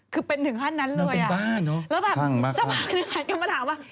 คือเป็นหนึ่งขั้นนั้นเลยอ่ะแล้วแบบสมัครหนึ่งมาถามว่า